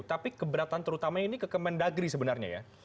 tapi keberatan terutama ini ke kemendagri sebenarnya ya